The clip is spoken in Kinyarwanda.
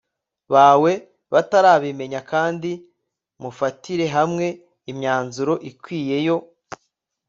bawe batarabimenya kandi mufatire hamwe imyanzuro ikwiye yo